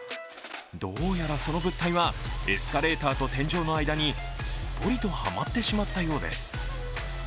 どうやらその物体はエスカレーターと天井の間にすっぽりとはまってしまったようです。